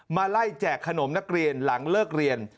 มาไล่แจกขนมนักเรียนหลังเลิกเรียน